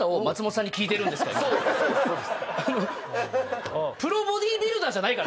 ・そうです！